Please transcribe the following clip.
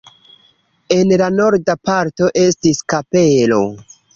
En la norda parto estis kapelo.